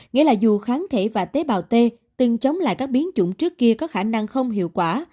nghĩa là dù kháng thể và tế bào t từng chống lại các biến chủng trước kia có khả năng không hiệu quả